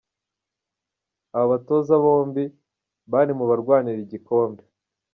Aba batoza bombi bari mu barwanira igikombe.